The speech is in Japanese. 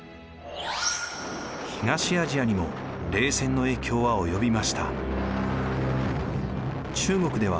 東アジアにも冷戦の影響は及びました。